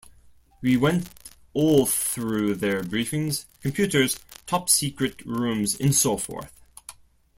We went all through their briefings, computers, top secret rooms and so forth.